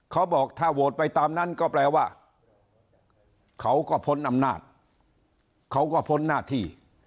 เขาบอกถ้าโหวตไปตามนั้นก็แปลว่าเขาก็พ้นอำนาจเขาก็พ้นหน้าที่